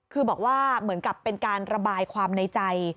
คือบอกว่าเหมือนกับเป็นการระบายความในใจ